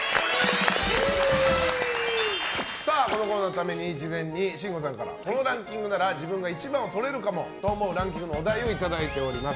このコーナーのために事前に慎吾さんからこのランキングなら自分が一番とれるかもと思うランキングのお題をいただいております。